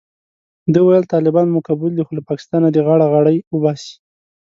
ده ویل طالبان مو قبول دي خو له پاکستانه دې غاړه غړۍ وباسي.